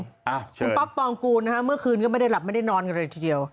คุณป๊อปปองกูลนะฮะเมื่อคืนก็ไม่ได้หลับไม่ได้นอนกันเลยทีเดียว